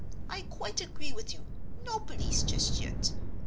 I quite agree with you—no police just yet.